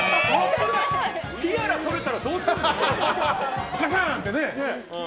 ティアラ取れたらどうするの！